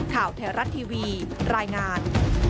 ข่าวไทยรัฐทีวีรายงาน